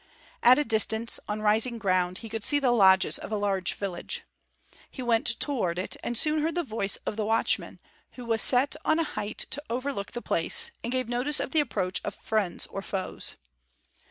At a distance, on rising ground, he could see the lodges of a large village. He went toward it and soon heard the voice of the watchman, who was set on a height to overlook the place and give notice of the approach of friends or foes.